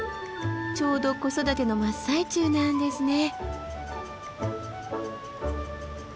ちょうど子育ての真っ最中なんですね。